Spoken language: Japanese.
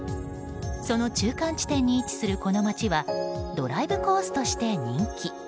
その中間地点に位置するこの町はドライブコースとして人気。